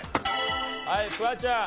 はいフワちゃん。